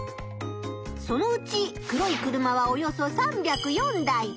そのうち黒い車はおよそ３０４台。